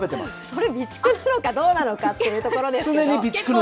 それ、備蓄なのかどうなのかっていうところですよね。